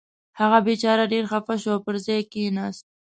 هغه بېچاره ډېر خفه شو او پر ځای کېناست.